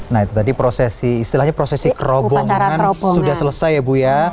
nah itu tadi prosesi istilahnya prosesi kerobongan sudah selesai ya bu ya